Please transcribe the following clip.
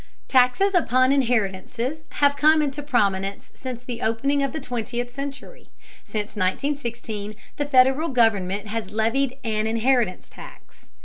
Taxes upon inheritances have come into prominence since the opening of the twentieth century. Since 1916 the Federal government has levied an inheritance tax.